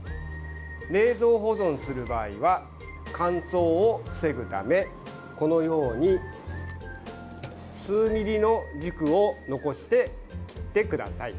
冷蔵保存する場合は乾燥を防ぐためこのように数ミリの軸を残して切ってください。